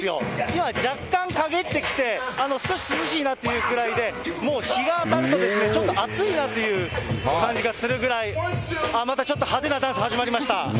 今、若干陰ってきて、少し涼しいなというくらいで、もう日が当たるとちょっと暑いなという感じがするぐらい、またちょっと派手なダンス始まりました。